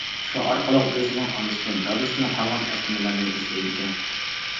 شۇ ئارقىلىق ئۆزىنىڭ ئانىسىدىن، دادىسىدىن قالغان ئەسلىمىلەرنى ئىزدەيدىكەن.